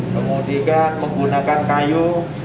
kemudian menggunakan kayu